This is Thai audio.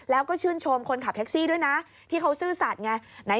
แล้วก็ชื่นชมคนขับแท็กซี่ด้วยนะที่เขาซื่อสัตว์ไง